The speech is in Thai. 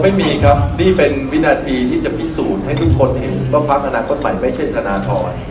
ไม่มีครับนี่เป็นวินาทีที่จะพิสูจน์ให้ทุกคนเห็นว่าพักอนาคตใหม่ไม่ใช่ธนทร